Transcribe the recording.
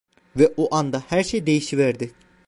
Ve o anda her şey değişiverdi.